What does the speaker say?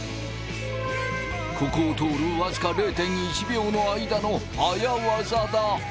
ここを通る僅か０．１秒の間の早ワザだ。